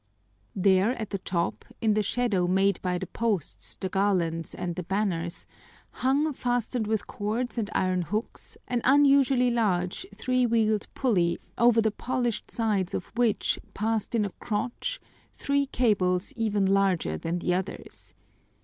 There at the top in the shadow made by the posts, the garlands, and the banners, hung fastened with cords and iron hooks an unusually large three wheeled pulley over the polished sides of which passed in a crotch three cables even larger than the others.